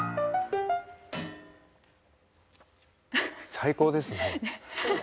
最高ですね。